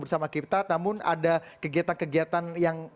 bersama kita namun ada kegiatan kegiatan yang